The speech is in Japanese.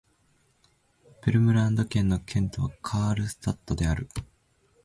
ヴェルムランド県の県都はカールスタッドである